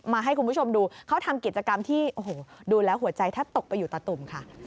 ให้คุณผู้ชมดูเขาทำกิจกรรมที่โอ้โหดูแล้วหัวใจแทบตกไปอยู่ตะตุ่มค่ะ